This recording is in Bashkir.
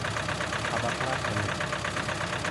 Ҡабатла әле!